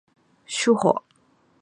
书包